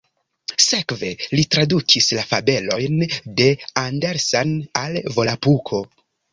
Sekve li tradukis la fabelojn de Andersen al Volapuko.